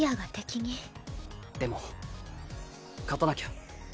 でも勝たなきゃ。